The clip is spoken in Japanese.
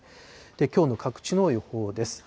きょうの各地の予報です。